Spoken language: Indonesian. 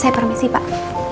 saya permisi pak